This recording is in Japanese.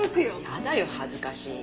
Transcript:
嫌だよ恥ずかしい。